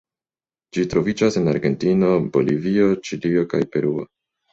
Ĝi troviĝas en Argentino, Bolivio, Ĉilio kaj Peruo.